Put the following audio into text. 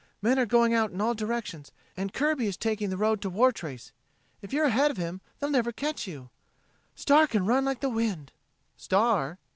Men are going out in all directions, and Kirby is taking the road to Wartrace. If you're ahead of him they'll never catch you. Star can run like the wind." "Star?"